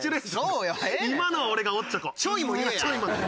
今のは俺がおっちょこ。